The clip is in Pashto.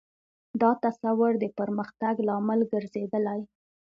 دا تصور د پرمختګ لامل ګرځېدلی.